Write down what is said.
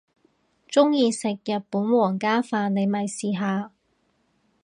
鍾意食日本皇家飯你咪試下